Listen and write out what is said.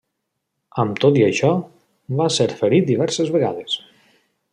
Amb tot i això, va ser ferit diverses vegades.